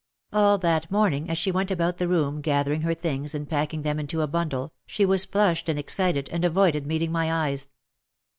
All that morning as she went about the room gather ing her things and packing them into a bundle, she was flushed and excited and avoided meeting my eyes.